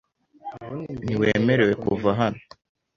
Ntiwemerewe kuva hano .